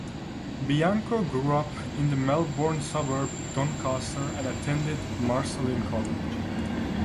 Bianco grew up in the Melbourne suburb Doncaster and attended Marcellin College.